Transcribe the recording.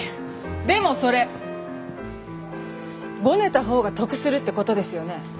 でもそれごねた方が得するってことですよね？